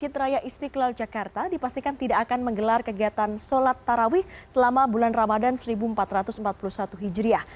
masjid raya istiqlal jakarta dipastikan tidak akan menggelar kegiatan sholat tarawih selama bulan ramadan seribu empat ratus empat puluh satu hijriah